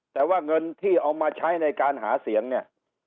แต่ว่าเงินที่เอามาใช้ในการหาเสียงเนี่ย